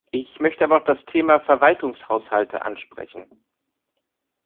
Ich möchte aber auch das Thema Verwaltungshaushalte ansprechen.